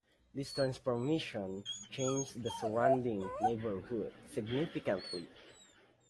This transformation changed the surrounding neighborhood significantly.